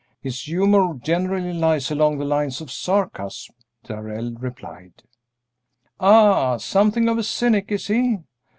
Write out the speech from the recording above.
"His humor generally lies along the lines of sarcasm," Darrell replied. "Ah, something of a cynic, is he?"